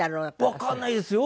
わかんないですよ？